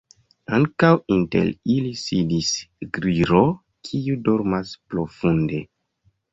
Ankaŭ inter ili sidis Gliro, kiu dormas profunde.